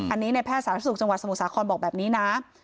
อันนี้ในแพทย์สาธารณสุขจังหวัดสมุทรสาครบอกแบบนี้นะ